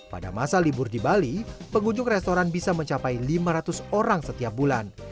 pada masa libur di bali pengunjung restoran bisa mencapai lima ratus orang setiap bulan